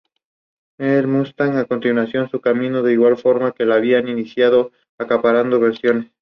De hecho, pasó a la final como favorita, finalizando en segundo lugar.